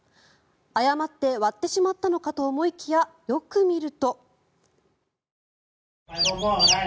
誤って割ってしまったのかと思いきや、よく見ると。